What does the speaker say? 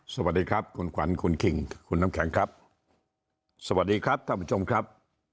สวัสดีครับคุณขวัญคุณคิงคุณน้ำแข็งครับสวัสดีครับท่านผู้ชมครับ